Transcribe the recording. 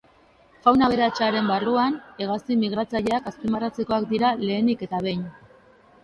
Fauna aberatsaren barruan, hegazti migratzaileak azpimarratzekoak dira lehenik eta behin.